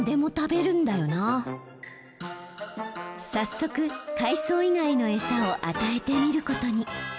早速海藻以外の餌を与えてみることに。